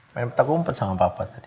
main peta kumpit sama papa tadi